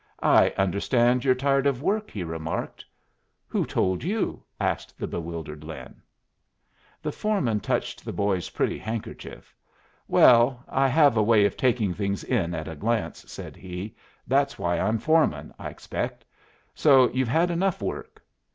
"I understand you're tired of work," he remarked. "Who told you?" asked the bewildered Lin. The foreman touched the boy's pretty handkerchief. "Well, I have a way of taking things in at a glance," said he. "That's why I'm foreman, I expect. So you've had enough work?"